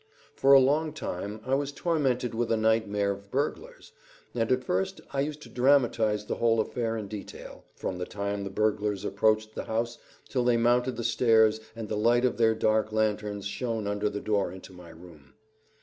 For a long time I was tormented with a nightmare of burglars, and at first I used to dramatize the whole affair in detail, from the time the burglars approached the house till they mounted the stairs and the light of their dark lanterns shone under the door into my room.